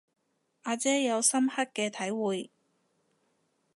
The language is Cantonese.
阿姐有深刻嘅體會